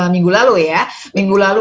minggu lalu ya minggu lalu